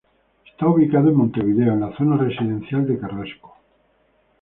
Está ubicado en Montevideo, en la zona residencial de Carrasco.